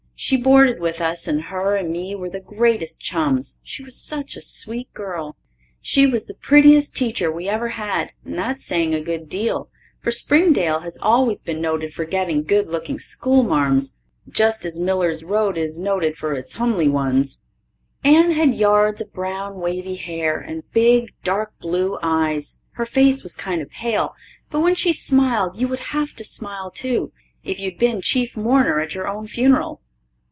She boarded with us and her and me were the greatest chums. She was just a sweet girl. She was the prettiest teacher we ever had, and that's saying a good deal, for Springdale has always been noted for getting good looking schoolmarms, just as Miller's Road is noted for its humly ones. Anne had yards of brown wavy hair and big, dark blue eyes. Her face was kind o' pale, but when she smiled you would have to smile too, if you'd been chief mourner at your own funeral.